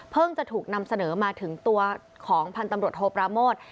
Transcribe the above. จะถูกนำเสนอมาถึงตัวของพันธุ์ตำรวจโทปราโมท